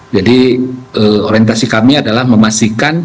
jadi orientasi kami adalah memastikan